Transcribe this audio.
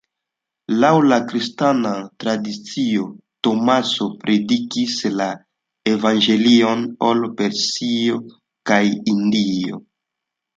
Laŭ la kristana tradicio, Tomaso predikis la evangelion al Persio kaj Hindio.